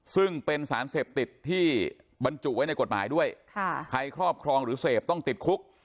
ซึ่งเป็นสารเสพติดที่บรรจุไว้ในกฎหมายด้วยใครครอบครองหรือเสพต้องติดคุก